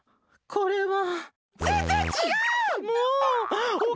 ここれは。